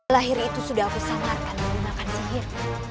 lahir itu sudah aku samarkan untuk dimakan sihir